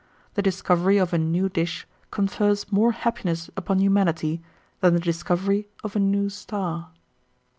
The discovery of a new dish confers more happiness upon humanity than the discovery of a new star."